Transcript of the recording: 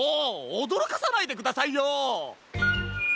おどろかさないでくださいよ！